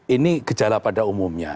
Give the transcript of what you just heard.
ini gejala pada umumnya